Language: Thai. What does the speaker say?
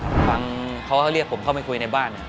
ฟังเขาเรียกผมเข้าไปคุยในบ้าน